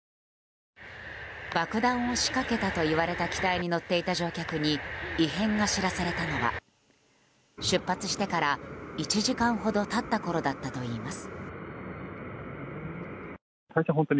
爆弾を仕掛けたといわれた機体に乗っていた乗客に異変が知らされたのは出発してから１時間ほど経ったころだったといいます。